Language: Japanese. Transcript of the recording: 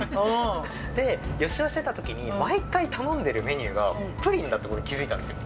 で、予習をしていたときに、毎回頼んでるメニューがプリンだってことに気付いたんですよ。